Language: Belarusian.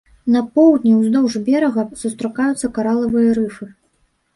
На поўдні ўздоўж берага сустракаюцца каралавыя рыфы.